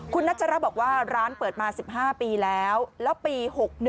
คุณนัชระบอกว่าร้านเปิดมา๑๕ปีแล้วแล้วปี๖๑